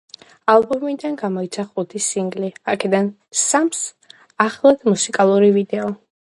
ალბომიდან გამოიცა ხუთი სინგლი, აქედან სამს ახლდა მუსიკალური ვიდეო.